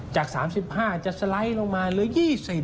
จาก๓๕จะสไลด์ลงมาเหลือ๒๐